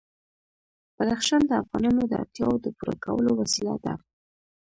بدخشان د افغانانو د اړتیاوو د پوره کولو وسیله ده.